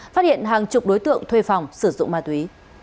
phát hiện hàng chục đối tượng thuê phòng sử dụng ma túy